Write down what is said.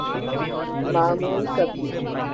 معمول کبھی ‘‘۔